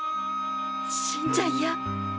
死んじゃいや！